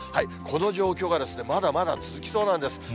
この状況がですね、まだまだ続きそうなんです。